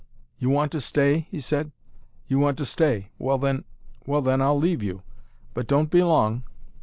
"You want to stay?" he said. "You want to stay! Well then well then, I'll leave you. But don't be long."